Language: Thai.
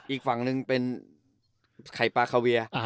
อีกฝั่งหนึ่งเป็นไข่ปลาคาเวีย